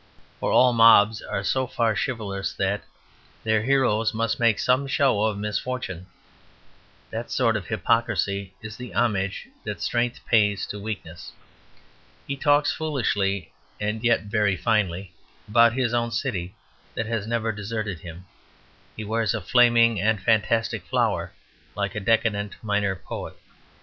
For all mobs are so far chivalrous that their heroes must make some show of misfortune that sort of hypocrisy is the homage that strength pays to weakness. He talks foolishly and yet very finely about his own city that has never deserted him. He wears a flaming and fantastic flower, like a decadent minor poet.